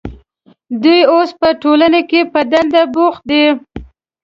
دوی اوس په ټولنه کې په دنده بوختې دي.